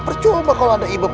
percoba kalau ada ibub